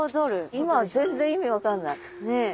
今全然意味分かんない。